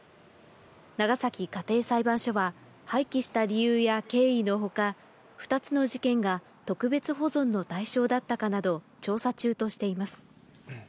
長崎家庭裁判所は、廃棄した理由や経緯のほか、２つの事件が特別保存の対象だったかなど、調査中としています。